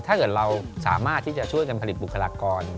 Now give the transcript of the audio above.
ถ้าเกิดเราสามารถที่จะช่วยกันผลิตบุคลากร